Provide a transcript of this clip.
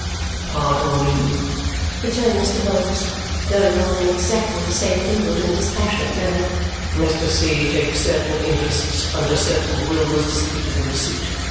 "Pardon me," returned Mr. Vholes, going on in exactly the same inward and dispassionate manner. "Mr. C. takes certain interests under certain wills disputed in the suit.